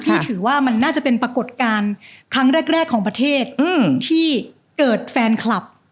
ถือว่ามันน่าจะเป็นปรากฏการณ์ครั้งแรกของประเทศที่เกิดแฟนคลับ